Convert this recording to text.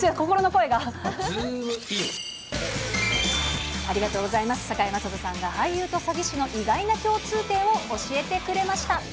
堺雅人さんが俳優と詐欺師の意外な共通点を教えてくれました。